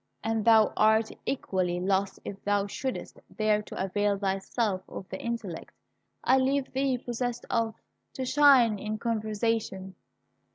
And thou art equally lost if thou shouldst dare to avail thyself of the intellect I leave thee possessed of, to shine in conversation."